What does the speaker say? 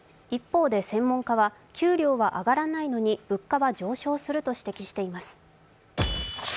一方で専門家は給料は上がらないのに物価は上昇すると指摘しています。